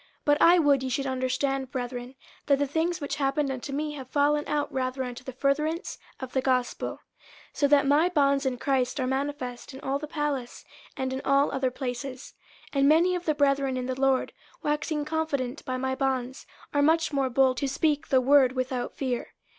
50:001:012 But I would ye should understand, brethren, that the things which happened unto me have fallen out rather unto the furtherance of the gospel; 50:001:013 So that my bonds in Christ are manifest in all the palace, and in all other places; 50:001:014 And many of the brethren in the Lord, waxing confident by my bonds, are much more bold to speak the word without fear.